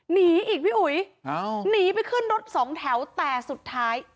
หนีอีกพี่อุ๋ยหนีไปขึ้นรถสองแถวแต่สุดท้าย